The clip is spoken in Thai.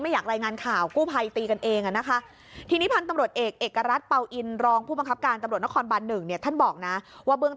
ไม่อยากรายงานข่าวกู้ภัยตีกันเอง